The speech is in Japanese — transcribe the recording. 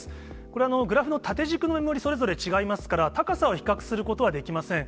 これ、グラフの縦軸のメモリ、それぞれ違いますから、高さを比較することはできません。